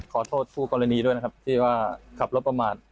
ขอโทษผู้กรณีด้วยนะครับที่ว่าขับรถประมาท